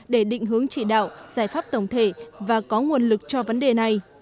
để định hướng chỉ đạo giải pháp tổng thể và có nguồn lực cho vấn đề này